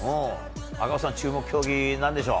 赤星さん、注目競技何でしょう。